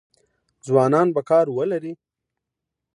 ځوانان به کار ولري؟